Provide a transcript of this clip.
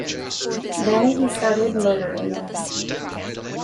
Then he started murdering them.